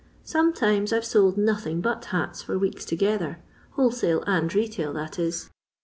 Sometimes I 've sold nothing but hats for weeks together, wholesale and retail that is.